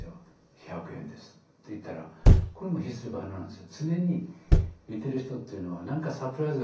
１００円です」って言ったらこれも「秘すれば花」なんですよ。